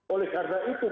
oleh karena itu